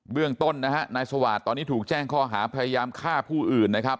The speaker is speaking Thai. เรื่องต้นนะฮะนายสวาสตร์ตอนนี้ถูกแจ้งข้อหาพยายามฆ่าผู้อื่นนะครับ